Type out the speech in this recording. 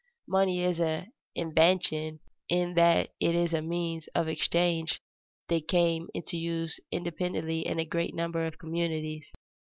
Money is an "invention" in that it is a means of exchange that came into use independently in a great number of communities.